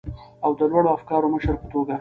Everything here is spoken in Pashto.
او د لوړو افکارو مشر په توګه،